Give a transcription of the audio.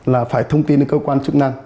là phải thông tin đến cơ quan chức năng